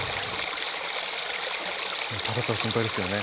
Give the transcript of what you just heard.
ただただ心配ですけどね。